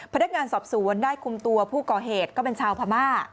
พนักงานสอบสวนได้คุมตัวผู้ก่อเหตุก็เป็นชาวพม่า